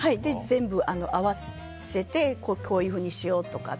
全部合わせてこういうふうにしようとかって。